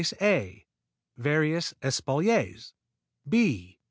_ Various espaliers _b.